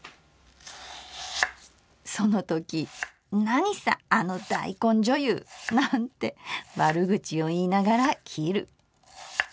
「そのとき『なにさあの大根女優！』なんて悪口を言いながら切る」。